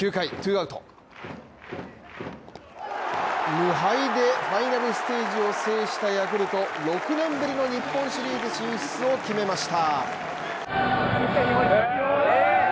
無敗でファイナルステージを制したヤクルトが６年ぶりの日本シリーズ進出を決めました。